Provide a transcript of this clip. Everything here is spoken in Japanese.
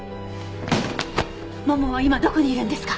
ももは今どこにいるんですか！？